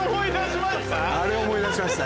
あれを思い出しました？